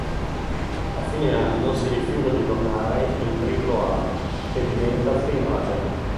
A fine anno si rifiuta di tornare in triplo A e diventa free agent.